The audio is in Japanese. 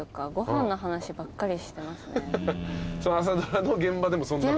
それは朝ドラの現場でもそんな感じ？